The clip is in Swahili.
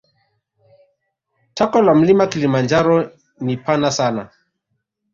Tako la mlima kilimanjaro ni pana sana